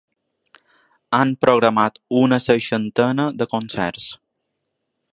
Han programat una seixantena de concerts.